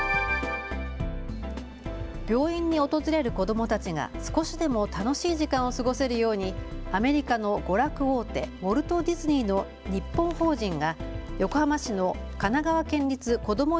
病院に訪れる子どもたちが少しでも楽しい時間を過ごせるようにアメリカの娯楽大手、ウォルト・ディズニーの日本法人が横浜市の神奈川県立こども